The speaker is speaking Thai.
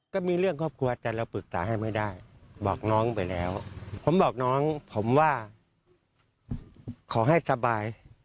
ก็มีเรื่องครอบครัวแต่เราปรึกษาให้ไม่ได้บอกน้องไปแล้วผมบอกน้องผมว่าขอให้สบาย